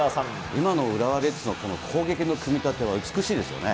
今の浦和レッズの攻撃の組み立ては美しいですよね。